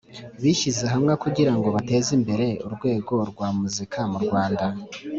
bishyize hamwe kugirango bateze imbere urwego rwa muzika mu rwanda.